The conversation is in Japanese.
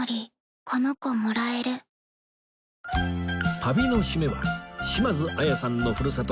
旅の締めは島津亜矢さんのふるさと